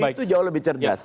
itu jauh lebih cerdas